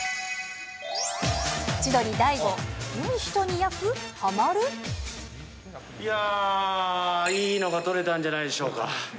千鳥・大悟、いやー、いいのが撮れたんじゃないでしょうか。